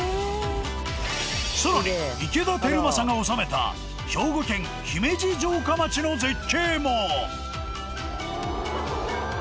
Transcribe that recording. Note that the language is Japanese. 更に池田輝政が治めた兵庫県姫路城下町の絶景も！